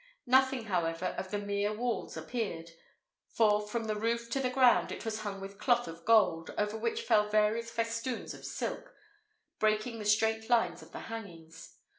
Nothing, however, of the mere walls appeared, for from the roof to the ground it was hung with cloth of gold, over which fell various festoons of silk, breaking the straight lines of the hangings.